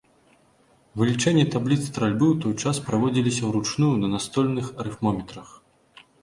Вылічэнні табліц стральбы ў той час праводзіліся ўручную на настольных арыфмометрах.